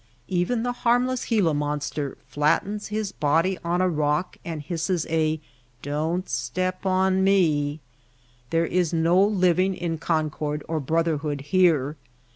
Even the harmless Gila monster flattens his body on a rock and hisses a ^^Don^t step on me/' There is no living in concord or brother hood here.